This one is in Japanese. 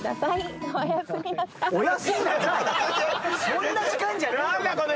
そんな時間じゃねえ！